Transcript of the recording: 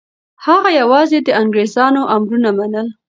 هغه یوازې د انګریزانو امرونه منل.